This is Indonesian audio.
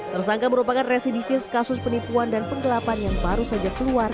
tersangka merupakan residivis kasus penipuan dan penggelapan yang baru saja keluar